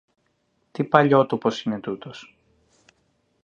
Τι παλιότοπος είναι τούτος!